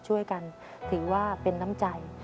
ช่วยกันถือว่าเป็นน้ำใจ